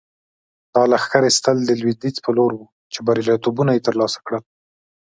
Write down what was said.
دا لښکر ایستل د لویدیځ په لور وو چې بریالیتوبونه یې ترلاسه کړل.